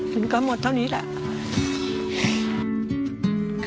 มันก็หมดเท่านี้แหละ